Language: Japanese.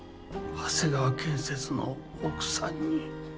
長谷川建設の奥さんに。